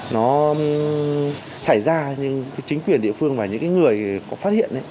nó xảy ra nhưng chính quyền địa phương và những người có phát hiện